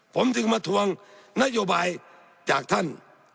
ผมจึงมาทวงนโยบายจากท่าน